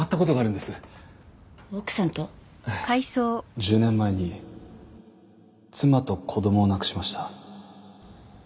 １０年前に妻と子供を亡くしました。